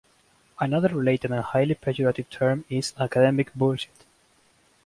Another related and highly pejorative term is "academic bullshit".